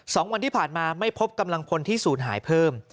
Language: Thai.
สองวันที่ผ่านมาไม่พบกำลังพลที่ศูนย์หายเพิ่ม